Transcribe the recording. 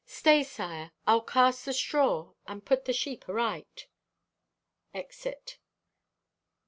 Stay, sire! I'll cast the straw and put the sheep aright!" (_Exit.